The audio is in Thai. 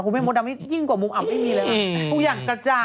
คุณแม่โมดำรู้ลึกยิ่งกว่ากล้อง